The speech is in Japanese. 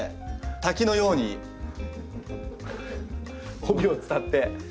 滝のように帯を伝って。